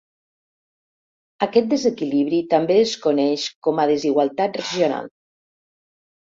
Aquest desequilibri també es coneix com a desigualtat regional.